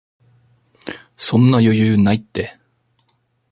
そんな余裕ないって